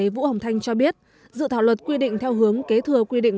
vũ hồng thanh cho biết dự thảo luật quy định theo hướng kế thừa quy định